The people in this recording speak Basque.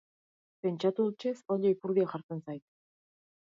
Pentsatu hutsez oilo-ipurdia jartzen zait.